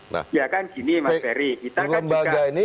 nah lembaga ini